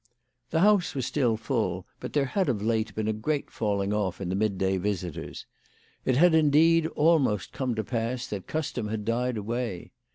The house was still full, but there had of late been a great falling off in the midday visitors. It had, indeed, almost come to pass that that custom had died away.